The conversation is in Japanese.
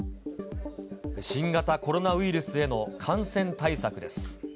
新型コロナウイルスへの感染対策です。